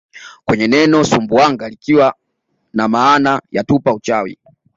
kwenye neno Sumbu wanga likiwa namaana ya tupa uchawi